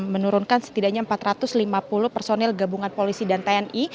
menurunkan setidaknya empat ratus lima puluh personil gabungan polisi dan tni